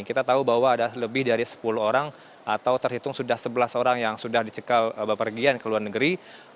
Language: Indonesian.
kita tahu bahwa ada lebih dari sepuluh orang atau terhitung sudah sebelas orang yang sudah dicekal bepergian ke luar negeri